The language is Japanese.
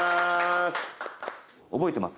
覚えてます？